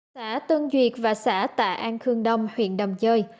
xã tân duyệt và xã tạ an khương đông huyện đầm chơi